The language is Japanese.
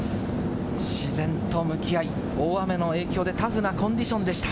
自然と向き合い、大雨の影響でタフなコンディションでした。